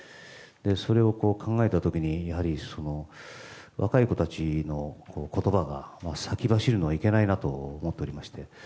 それを考えた時にやはり若い子たちの言葉が先走るのはいけないなと思っておりまして。